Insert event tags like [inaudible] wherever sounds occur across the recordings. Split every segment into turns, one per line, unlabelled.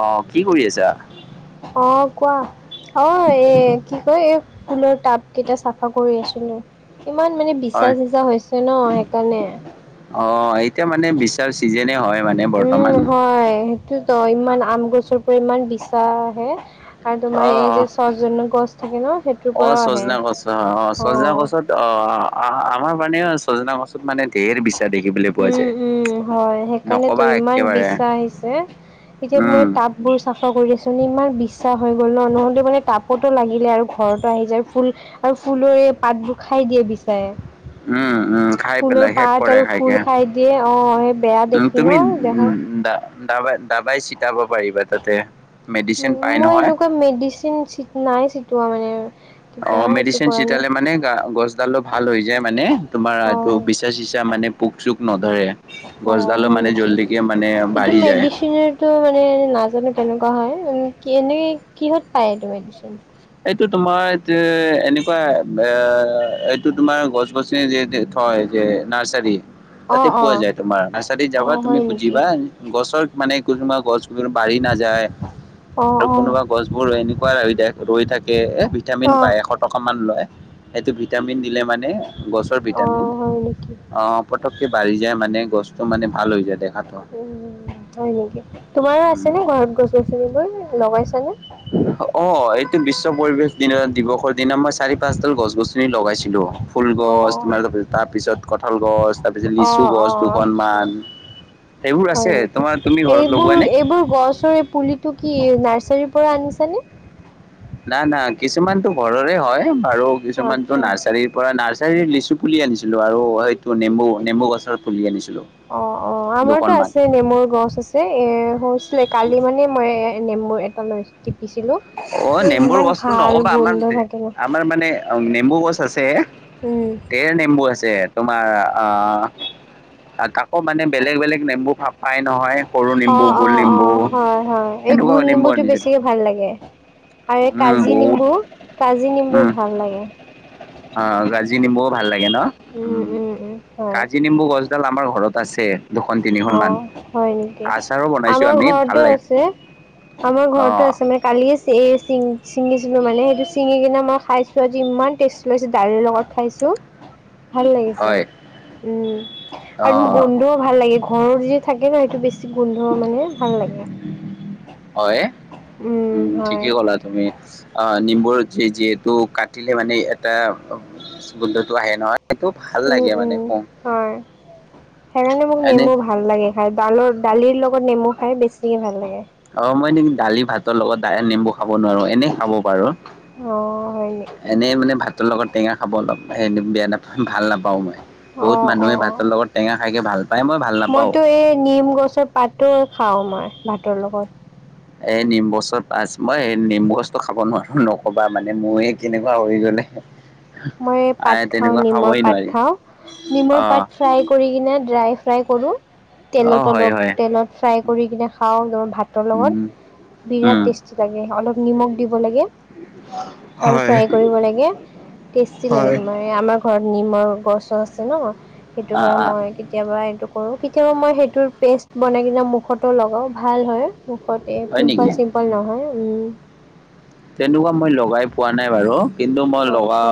আহ, কি কৰি আছা?
অ', কোৱা। অ', এ কি কয় এই ফুলৰ টাব কেইটা চাফা কৰি আছিলো। ইমান মানে বিচা
হয়
চিচা হৈছে ন সেইকাৰণে।
অ', এতিয়া মানে বিশ্বাৰ চিজনে হয়। মানে
উম,
বৰ্তমান
হয় সেইটোতো ইমান আম গছৰ পৰা ইমান বিচা আহে। আৰু তোমাৰ
অ
এই যে ছচজন গছ থাকে ন। সেইটোৰ
অ',
পৰাও আহে।
চজনা গছ অ চজনা গছত অ' আমাৰ মানে চজিনা গছত মানে ধেৰ বিচাৰ দেখিবলৈ পোৱা
উম,
যায়
উম, হয়, সেইকাৰণে তো
নকবা
ইমান
একেবাৰে
বিচা আহিছে এতিয়া
উম
মই টাব বোৰ চাফা কৰি আছো ইমান বিছ বিছা হৈ গ'ল ন নহলে মানে তাপতো লাগিলে আৰু ঘৰতো আহি যায় ফুল আৰু ফুলৰে পাতবোৰ খাই [unintelligible] দিয়ে বিচাৰে
উম, উম, খাই পেলাই শেষ কৰেৰে
আৰু
খাই
ফুল দিয়ে অ' সেই বেয়া
উ,
দেখি ন
তুমি উ
দেখাত
দ দাবাই দাবাই ছটাব পাৰিবা তাতে মেডিচিন
ান
পাই
মই
নহয়
এনেকুৱা মেডিচিন নাই চিটোৱা মানে
অ',
কেতিয়াও এইটো
মেডিচিন
কৰা নাই
চটালে মানে গ গছডালটো ভাল হৈ যায় মানে তোমাৰ এইটো
অ'
বিা চিা মানে পোক চোক নধৰে।
অ'
গছডালো
হয়
মানে
নেকি,
জল্দিকে মানে
এইটো
বাঢ়ি যায়
মেডিচনেটো মানে নাজানে তেনেকুৱা হয় কি এনে কিহত পায় এইটো মেডিচিন?
এইটো তোমাৰ এ এনেকুৱা এ এইটো তোমাৰ গছ গছনি যি থয়। সে নাৰ্চাৰি তাতে
অ'
পোৱা
অ'
যায় তোমাৰ নাৰ্চাৰীত যাবা
অ'
তুমি
হয় নেকি
বুজিবা গছৰ মানে কোনোবা গছ ক বাঢ়ি নাই যে
অ'
আৰু
অ'
কোনোবা গছ বোৰ এনেকুৱা ৰাইডা ৰৈ থাকে এ ভিটামিন
অ'
পায় এশ টকা মান লয় সেইটো ভিটামিন মানে গছ ভিতামিন
অ' হয় নেকি
পতকে বাহি যাই মানে গছটো মানে ভাল হৈ যায় দে
উ, হয় নেকি তোমাৰো
উম
আছে নে ঘৰত গছ গছনিবোৰ লগাইছানে
অ, এই, বিশ্ব পৰিৱেশ দিনা দিৱসৰ দিনা মই চাৰি পাঁচডাল গছ গছনি লগাইছিলো। ফুল গছ
অ'
তোমাৰ তাৰপিছত কঠাল গছ তাৰপিছত লিচু
অ'
গছ
অ' আচ্ছা
দুখনমান সেইবোৰ আছে
হয়, নেকি
তোমাৰ তুমি ঘৰত লগোৱা নে?
এইবোৰ এইবোৰ গছৰে পুলিটো কি নাৰ পৰা আনিছানে।
ন, না, কিছুমানতটো ঘৰৰে হয় বাৰু কিছুমানটো
আচ্ছা
নাৰ্চাৰীৰ পৰা না লিচু পুলি আনিছিলো আৰু এইটো নেমু নেমু গছৰ পুলি আনিছিলো।
অ, অ, আমাৰতো
দুখনমান।
আছে নেমুৰ গছ আছে এ হৈছিলে কালি মানে মাই নেমু এটা লৈ ষ্টিক
অ, নেমবুৰ বস্তু নকবা
গোন্ধ
আমাৰতে
থাকে ন
আমাৰ মানে নেমু গছ আছে
উম
তেৰ নেমু আছে। তোমাৰ আকৌ মানে বেলেগ বেলেগ নেম্বু ভাগ পাই নহয় সৰু
অ
নিম্বু
অ
গোল
অ
নিম্বু
হয় হয় এই গোল
এনেকুৱা নম্বু
নেমুটো
আনিছে
বেছিকে ভাল লাগে আৰু কাজি নিম্বু কাজি নিম্বু
উম
ভাল লাগে
অ, কাজি নিম্বুও ভাল লাগে ন উ
উম উম উম হয়
কাজি নিম্বু গছডাল আমাৰ ঘৰত আছে দুখন তিনিখন
অ
মান
হয় নেকি
আচাৰো বনাইছো
আমাৰ
আমি ভাল
ঘৰটো
লাগে
আছে আমাৰ
অ
ঘৰতো আছে মানে কালিয়ে চিং চিঙ চিঙিছিলোঁ মানে সেইটো ছিঙি কিনে মই খাইছো আজি ইমান টেষ্ট পাইছোঁ দালিৰ লগত খাইছোঁ ভাল লাগিছে
হয়
উম
অ
আৰু ম মোৰ গোন্ধও ভাল লাগি যি থাকে ন সেইটো বেছি গোন্ধ মানে ভাল লাগে
হয় উম ঠিকেই কলা তুমি অ নিম যিহেতু কাটিলে মানে এটা গোন্ধটো আহে নহয় সেইটো ভাল লাগে
উম উম
মানে
হয় সেইকাৰণে মানে
এনে
নেমু ভাল লাগে খাই ডালৰ দালিৰ লগত নেমু খাই বেছিহে ভাল লাগে
অ মই এ দালি ভাতৰ লগত নেম্বু খাব নোৱাৰো এনেই খাব পাৰো
অঁ হয় নি
এনেই মানে ভাতৰ লগত টেঙা খাব অলপ হেৰি বেয়া নাপাওঁ ভাল নাপাওঁ মই বহুত
অ অ
মানুহে ভাতৰ লগত টেঙা খাইকে ভাল পায় মই ভাল নাপাওঁ
মইতো এই নিম গছৰ পাতো খা পাওঁ মই ভাতৰ লগত
এ নিম গছৰ পাত মই নিম গছটো খাব নোৱাৰো নকবা মানে মইয়ে কেনেকুৱা হৈ গল [unintelligible]
মই পাত খাওঁ নিমৰ পাত খাওঁ
অ
নিমৰ পাত ফ্ৰাই কৰি কিনে ড্ৰাই ফ্ৰাই কৰো
অ
তেলত
হয়
অলপ
হয়
তেলত ফ্ৰাই কৰি কিনে খাওঁ ভাতৰ
উম
লগত
উম
বিৰাট টেষ্টি লাগে অলপ নিমখ দিব লাগে। আৰু
হয়
ফ্ৰাই কৰিব লাগে টেষ্টি লাগে
হয়
তোমাৰ আমাৰ ঘৰত নিমৰ গছো আছে ন সেইটো
আ
কাৰ
আ
মই কেতিয়াবা এইটো কৰো কেতিয়াবা মই সেইটোৰ পেষ্ট বনাই কিনা মুখতো লগাও ভাল হয় মুখতে
হয় নেকি
পিম্পল চিম্পল নহয়
তেনেকুৱা মই লগাই পোৱা নাই বাৰু কিন্তু মই লগা
আতচ্ছা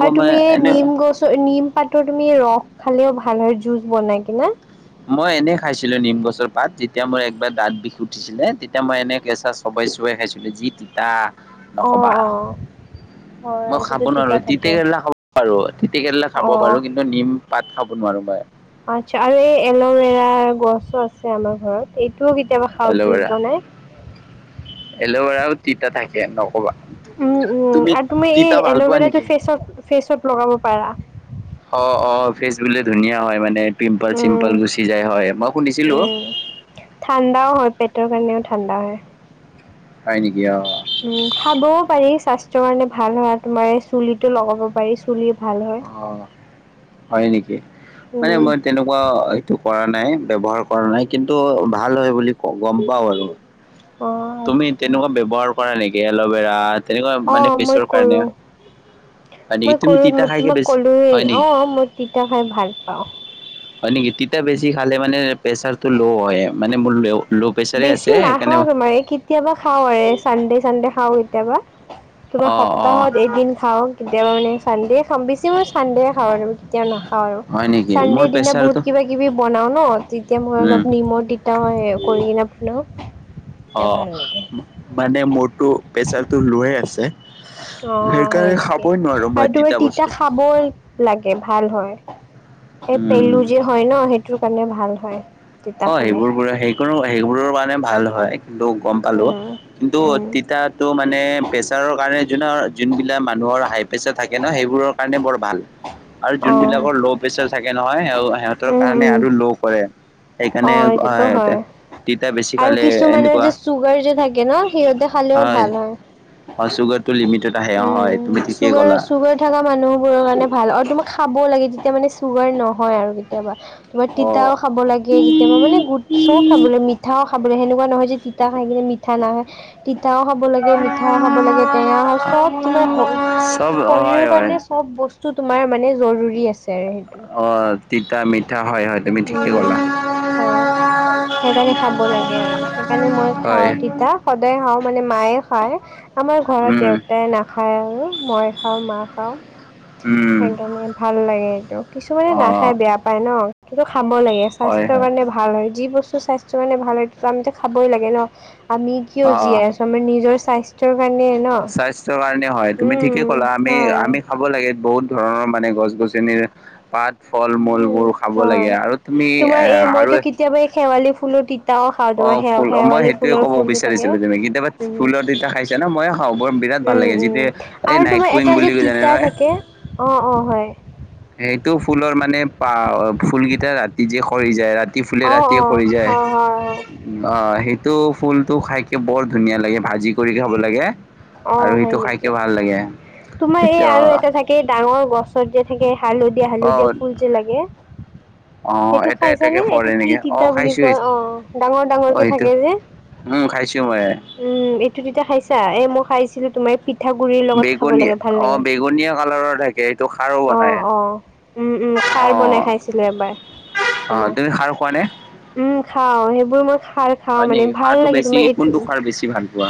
অ
মই
তুমি এই
এনে
নিম গছ নিম পাতৰ তুমি ৰস খালেও ভালৰে জুচ বনাই কি না
মই এনে খাইছিলো নিম গছৰ পাত যেতিয়া মোৰ একবাৰ দাঁত বিষ উঠিছিলে তেতিয়া মই এনে কেঁচা চব পছুৈ [unintelligible] খাইছিলো যি তিতা
অঁ
নকবা
অঁ
মই খাব নোৱাৰো তিতে কেৰেলা খাব পাৰো তিতে কেৰেলা খাব
অ
পাৰো কিন্তু নিম পাত খাব উোনমাৰাই [unintelligible]
আচছা আৰু এই এল'ভেৰা গছো আছে আমাৰ ঘৰত এই তই কেতিয়াবা খাও জুচ
এল'ভেৰা
বনাই
এল'ভেৰাও তিতা থাকে নকবা
উম উম আৰু তুমি এই
তিতা ভাল পোৱা
এল'ভেৰাটো
নেকি
ফেচপ ফেচপ লগাব পাৰা
অ অ অ ফেচ বুলে ধুনীয়া হয় মানে পিম্পল
উম
চিম্পল গুচি যায় হয় মই শুনিছিলো
উম ঠাণ্ডাও হয় পেটৰ কাৰণেও ঠাণ্ডা হয়ে
হয় নেকি অ
উম খাবও পাৰি স্বাস্থ্যৰ কাৰণে ভাল হ তোমাৰ চুলিটো লগাব পাৰি চুলি ভাল হয়
অ হয় নেকি মানে
উম
মই তেনেকুৱা এইটো কৰা নাই ব্যৱহাৰ কৰা নাই কিন্তু ভাল হয় বুলি গম পাও আৰু
অ
তুমি
আচ্ছা
তেনেকুৱা ব্যৱহাৰ কৰা নেকি এল'ভেৰা তেনেকুৱা
অ
মানে
মই
ফেচৰ কাৰণে
কৰোঁ
হয় নেকি
মই
তুমি
কৰো
তিতা
মই
খাইকে
তোমাক
বেছি
কলোৱে
হয়
অ
নেকি
মই তিতা খাই ভাল পাওঁ।
হয় নেকি তিতা বেছি খালে মানে প্ৰেচাৰতটো ল' হয় মানে ম
বেছি নাখাও তোমাৰ কেতিয়াবা খাওঁ আৰু চানডে চানডে খাওঁ কেতিয়াবা
[unintelligible]
তোমাৰ
অ
সপ্তাহত এদিন খাওঁ কেতিয়াবা মানে চান্দে খাওঁ বেছি মই চান্দে খাওঁ আৰু কেতিয়াও নাখাওঁ
হয় নেকি মোৰ
চানডেৰ দিনা বহুত
প্ৰেচাৰটো
কিবা কিবি বনাও ন তেতিয়া মই
উম
অলপ নিমখ তিতা হয় াপ নো [unintelligible]
অ মানে মোৰতো প্ৰেচাৰতটো লয়ে আছে।
অ হয়
সেইকাৰণে
নেকি
খাবই নোৱাৰো মই
আৰু তুমি তিতা
বস্তু
খাবই লাগে ভাল হয়। এই
উম
পেলু যে হয় ন সেইটোৰ কাৰণে ভাল হয়। তিতা
অ
খালে।
সেইবোৰ বোৰ সেই সেইবোৰৰ কাৰনে ভাল হয় কিন্তু গম পালো
উম
কিন্তু
উম
তিতোটো মানে প্ৰেচাৰৰ কাৰণে য যোনবিলাক মানুহৰ হাই প্ৰেচাৰ থাকে ন সেইবোৰৰ কাৰণে বৰ ভাল। আৰু
অ
যোনবিলাকৰ ল' প্ৰেচাৰ থাকে নহয় সিহঁতৰ
উম
কাৰণে
উম
আৰু ল' কৰে। সেইকাৰণে অ
এইটোতো
সিহঁতে
হয়।
তিতা বেছি
আৰু
খালে
কিছুমানৰ
এনেকুৱা
যে চুগাৰ যে থাকে ন সিহঁতে খালেও
হয়।
ভাল
অ চুগাৰটো লিমিটেড
উম চুগাৰ চুগাৰ থকা মানুহ বোৰৰ কাৰণে ভাল আৰু তোমাক খাব লাগে যেতিয়া মানে চুগাৰ নহয় আৰু কেতিয়াবা তোমাৰ
অ
তিতাও খাব লাগে কেতিয়াবা মানে গোট চব খাব লাগে মিঠাও খাব লাগ সেনেকুৱা নহয় যে তিতা খাই কিনে মিঠা নাখায় তিতাও খাব লাগে মিঠাও খাব লাগে টেঙা তোমাৰ
চব হয়
শৰীৰৰ
হয়
কাৰণে চ'ব বস্তু তোমাৰ মানে জৰুৰী আছে। আৰু সেইটো।
অ তিতা মিঠা হয়, হয় তুমি ঠিকে
উম
কলা।
হয়। সেইকাৰণে খাব লাগে আৰু সেইকাৰণে মই
হয়
খাওঁ তিতা সদায় খাওঁ মানে মায়ে পাৰে আমাৰ ঘৰত
উম
দেউতা নাখায় আৰু মই খাওঁ, মা খাওঁ,
উম
সেইকাৰণে ভাল লাগে এইটো, কিছুমানে নাখাই
অ
বেয়া পায় ন কিন্তু খাব লাগে
হয়
স্বাস্থ্যৰ
হয়
কাৰণে ভাল হয়। যি বস্তু স্বাস্থ্যৰ কাৰণে ভাল হয় আমি খাবই লাগে ন আমি কিয়
অ অ
জীয়াই আছো আমাৰ নিজৰ স্বাস্থ্যৰ কাৰণে ন
স্বাস্থ্যৰ কাৰণে হয় তুমি ঠিকে
উম
ক'লা আমি
হয়
আমি খাব লাগে বহুত ধৰণৰ মানে গছ গছনিৰ পাত ফল
উম
মূলবোৰ খাব লাগে
হয়।
আৰু তুমি
তোমাৰ
এ
এই
আৰু
মইতো কেতিয়াবা এই শেৱালি ফুলৰ তিতাও খাওঁ
অ
তোমাৰ শে
ফুল অ মই
শেৱালি
সেইটোয়ে
ফুলৰ
ক'ব
ফুল যে থাকে
বিচাৰিছিলো তেনেকে কেতিয়াবা
উম
ফুলত তিতা খাইছা ন মইও খাওঁ বৰ বিৰাট ভাল
উম
লাগে যিয়া
উম
এই
আৰু
নাইট
তোমাৰ
কুইং
এটা যে
বুলি জানে
তিতা
নহয়।
থাকে অঁ অঁ হয়
সেইটো ফুলৰ মানে ফুল কেইটা ৰাতি যে সৰি যায়, ৰাতি ৰাতিফুলে
অঁ
ৰাতিয়ে
অঁ
সৰি যায়,
হয় হয় হয়
অহ সেইটো ফুলটো খাইকৈ বৰ ধুনীয়া লাগে ভাজি কৰি খাব লাগে। আৰু
অ' হয়
সেইটো খাইকে
নেকি।
ভাল লাগে
তোমাৰ এই আৰু এটা থাকে ডাঙৰ গছত যে থাকে। হালধীয়া
অ অ
হালধীয়া ফুল যে লাগে।
অ
সেইটো
এটা এটাকে
খাইছানে এইটো
পৰে
কি
নেকি অ
তিতা বুলি
খাইছো
কয় অ' ডাঙৰ ডাঙৰ
অ
কে
সেইটো
থাকে যে।
উম খাইছো মই
উম, এইটো তিতি খাইছা এ মই খাইছিলো তোমাৰ পি পিঠাগুৰিৰ লগত খাব
বেগুনীয়া
লাগে ভাল
অ
লাগে।
বেগুনীয়া কালাৰৰ থাকে সেইটো খাৰো বনাই
অ' অ' উ, উ।
অ
খাৰ বনাই খাইছিলো এবাৰ
অ'
তোমাৰ
তুমি সাৰ কোৱা নে।
উম খাওঁ সেইবোৰ মই খাল খাওঁ
হয়
মানে
নেকি
ভাল
খাৰটো
লাগে
বেছি
তোমাৰ এইটো
কোনটো খাৰ বেছি ভাল পোৱা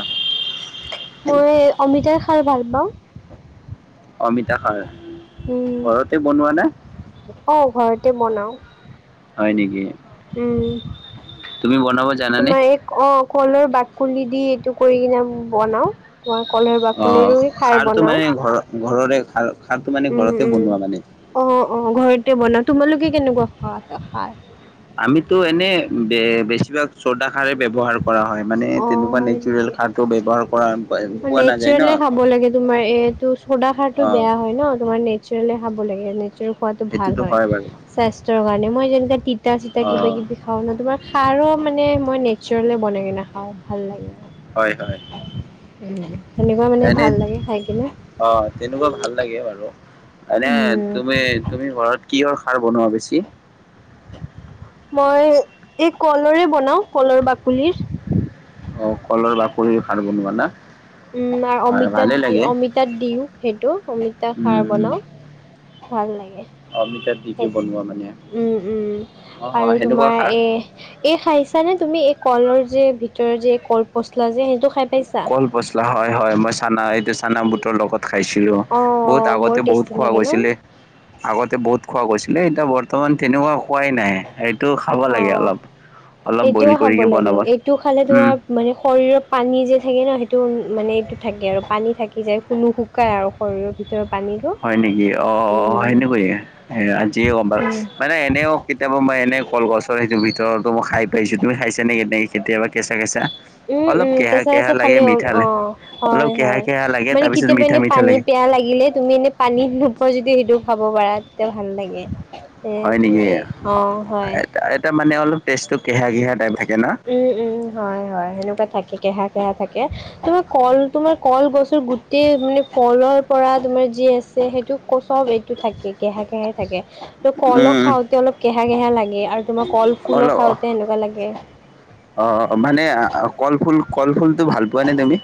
মই অমিতাৰ খাৰ ভাল পাওঁ।
অমিতাখাৰ
উম
ঘৰতে বনোৱা নে।
অ' ঘৰতে বনাও।
হয় নেকি।
উম,
তুমি বনাব জানানে
তোমাৰ এই অ' কলৰ বাককুলি দি টো কৰি কিনে বনাও তোমাৰ কলৰ
অ
বাকলিৰো খাৰ
খাৰটো মানে
বনাও
ঘৰ ঘৰৰে খাল
উম, উম, অ' অ' ঘৰতে বনাও তোমালোকে কেনেকুৱা খোৱা খাই
আমিতো এনে বেছিভাগ চৌড সাৰ ব্যৱহাৰ কৰা হয়, মানে
অ
তেনেকুৱা
হয়
নেচোৰেল
নেকি
সাৰটো ব্যৱহাৰ কৰা পোৱা নাযায় ন।
চোৱা সাৰটৌ তোমাৰ এইটো চোডা খাৰটো
অ
বেয়া হয় ন তোমাৰ নেচেৰেলী খাব লাগে, নেচেৰেল খোৱাটো ভাল
সেইটোতো
হয়,
বাৰু
স্বাস্থ্যৰ কাৰণে মই যেনেকৈ তি তিতা চিতা কিবা
অ'
কিবি খাওঁ ন তোমাৰ খাৰো মানে মই নেচাৰলে বনাই কি নাখাওঁ ভাল লাগে। আৰু
হয়, হয়।
সেনেকুৱা মানে
এনে
ভাল লাগে খাই কিনে
অ' তেনেকুৱা ভাল লাগে বাৰু এনে
উম,
তুমি তুমি ঘৰত কিহৰ খাৰ বনোৱা বেছি।
মই এই কলৰে বনাও, কলৰ বাকলিৰ।
অ' কলৰ বাকলি সাৰ বনোৱা না।
উম, আৰু
হয়
অমিতা
ভালে লাগে
অমিতাত দিওঁ, সেইটো অমিতা
উম
সাৰ
উম
বনাও। ভাল লাগে।
তাত দি
সেই
বনোৱা মানে?
উম, উম,
অ'
আৰু
অ' সেনেকুৱা
তোমাৰ
সাৰ
এ এই খাইছানে? তুমি এই কলৰ যে ভিতৰৰ যে কল পচলা যে সেই
কল পচলা হয়, হয়, মই চানা এইটো চানা বুটৰ লগত খাইছিলো অ' বহুত
বৰ
আগতে বহুত
টেষ্টি
খোৱা
লাগে ন?
গৈছিলে আগতে বহুত খোৱা গৈছিলে এতিয়া বৰ্তমান তেনেকুৱা খোৱাই নাই সেটো খাব লাগে
অ'।
অলপ অলপ বইল
এইটোও খাব
কৰিকে
লাগে,
বনাব
এইটো খালে
উম
তোমাৰ মানে শৰীৰৰ পানী যে থাকে নহ সেইটো মানে এইটো থাকে আৰু পানী থাকি যায় নুশুকাই আৰু শৰীৰৰ ভিতৰত।
হয় নেকি অ অ সেনেকুৱায়ে এ আজিয়ে গম পালোঁ
উম।
মানে এনেও কেতিয়াবা মই এ। কলগছৰ সেইটো ভিতৰতো মই খাই পাইছোঁ তুমি খাইছা নেকি কেতিয়াবা কেঁচা কেঁচা।
উম
অলপ
উম
কেহা
কেঁচা
কেহা
কেঁচা
লাগে
খালি
মিঠা
অ
লাগে অলপ
হয়
কেহা
হয়
কেহা লাগে
মানে
তাৰপিছত
কেতিয়াবা
মিঠা
এনে
মিঠা
পানী
লাগে
পিয়া। বেয়া লাগিলে তুমি এনে পানীত নোপোৱা যদি সেইটো খাব পাৰা তেতিয়া ভাল লাগে। এ
হয় নেকি
তোমাৰ
এ
এই অ হয়
এটা মানে অলপ টেষ্ট টৌ কেহা কেহা টাইপ থাকে। ন
উম, উম, হয়, হয়, সেনেকুৱা থাকে কেহা বেয়া থাকে তোমাৰ কল তোমাৰ কলগছৰ গোটেই মানে ফলৰ পৰা তোমাৰ যি যে সেইটো কচৱ এইটো থাকে কেহা কেহে থাকে ত কলো
উম
খাওঁতে অলপ কেহা কেহা লাগে আৰু তোমাৰ কল ফুলো
অলপ
খাওঁতে সেনেকুৱা লাগে
অ অ মানে কল ফুল কল ফুলটো ভাল পোৱা নে তুমি।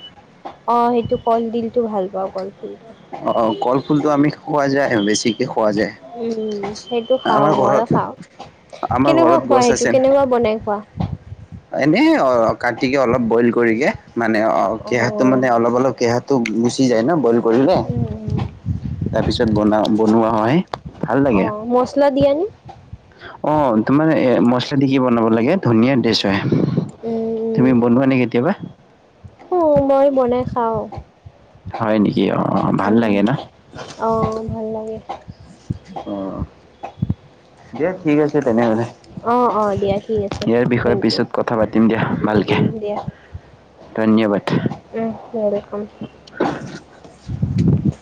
অ সেইটো কলডিলটো ভাল পাওঁ কল ফুলটো।
অ কল ফুলটো আমি খোৱা যায় বেছিকে খোৱা যায়।
উম উম সেইটো খাওঁ
আমাৰ
মইও
ঘৰত
খাওঁ।
আমাৰ
কেনেকুৱা
ঘৰত
খোৱা সেইটো কেনেকুৱা বনাই খোৱা।
এনে অ কাটিকে অলপ বইল কৰিয়ে। মানে অ কেহাটো
উম,
মানে অলপ অলপ কেহাটো গুচি যায় নহ বইল। কৰিলে
উম।
তাৰপিছত বনা বনোৱা হয়। ভাল
অ
লাগে
মচলা দিয়া নে।
অ তোমাৰ এ মছলা দি কি বনাব লাগে ধুনীয়া ডিচ হয়।
উম,
তুমি বনোৱা নে কেতিয়াবা।
উম মই বনাই খাওঁ।
হয় নেকি অ ভাল
উম
লাগে ন
অ ভাল লাগে।
অ দিয়া ঠিক আছে তেনেহ'লে।
অঁ অঁ দিয়া ঠিক আছে
ইয়াৰ বিষয়ে
থেংক ইউ
পিছত কথা পাতিম দিয়া
উম
ভালকে
উম দিয়া।
ধন্যবাদ
উম য়েলকাম।
[unintelligible]